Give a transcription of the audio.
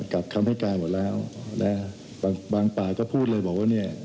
กับคำให้การหมดแล้วนะบางฝ่ายก็พูดเลยบอกว่าเนี่ย